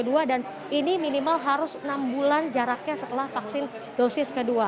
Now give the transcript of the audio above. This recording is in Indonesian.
dan ini minimal harus enam bulan jaraknya setelah vaksin dosis ke dua